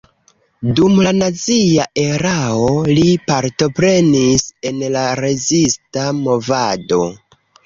Dum la nazia erao li partoprenis en la rezista movado.